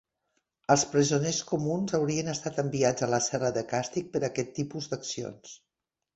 Els presoners comuns haurien estat enviats a la cel·la de càstig per aquest tipus d'accions.